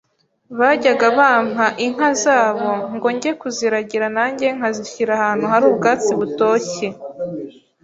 Bajyaga bampa inka zabo ngo njye kuziragira nanjye nkazishyira ahantu hari ubwatsi butoshye,